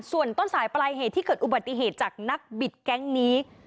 ส่วนต้นสายปลายเหตุที่เกิดอุบัติเหตุจากนักบิดแก๊งนี้